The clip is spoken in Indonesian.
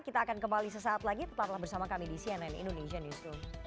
kita akan kembali sesaat lagi tetaplah bersama kami di cnn indonesian newsroom